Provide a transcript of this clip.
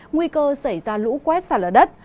nguy cơ xảy ra lũ quét sàn lở đất